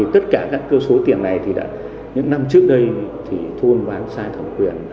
tất cả các cơ số tiền này thì đã những năm trước đây thì thu hôn bán sai thẩm quyền